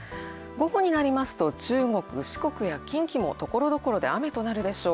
午後は中国、四国、近畿もところどころで雨となるでしょう。